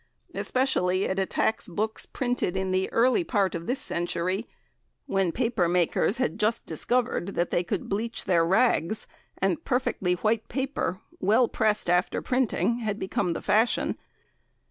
Especially it attacks books printed in the early part of this century, when paper makers had just discovered that they could bleach their rags, and perfectly white paper, well pressed after printing, had become the fashion.